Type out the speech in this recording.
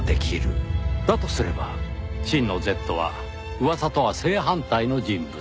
だとすれば真のＺは噂とは正反対の人物。